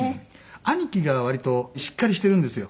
兄貴が割としっかりしてるんですよ